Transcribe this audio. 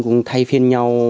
cũng thay phiên nhau